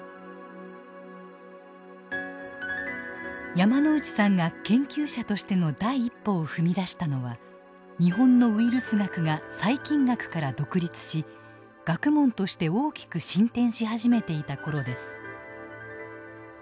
山内さんが研究者としての第一歩を踏み出したのは日本のウイルス学が細菌学から独立し学問として大きく進展し始めていたころです。